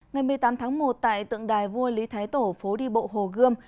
ngày một mươi tám tháng một tại tượng đài vua lý thái tổ phố đi bộ hồ gươm